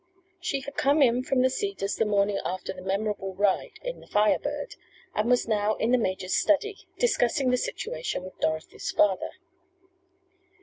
She had come in from the Cedars the morning after the memorable ride in the Fire Bird, and was now in the major's study, discussing the situation with Dorothy's father.